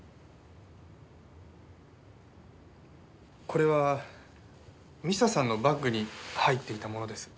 これは未紗さんのバッグに入っていたものです。